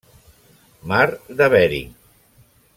Mar de Bering.